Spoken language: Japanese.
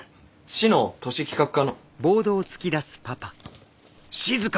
市の都市企画課の。